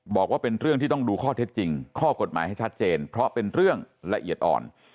บอกว่าเป็นเรื่องที่ต้องดูข้อเท็จจริงข้อกฎหมายให้ชัดเจนเพราะเป็นเรื่องละเอียดอ่อน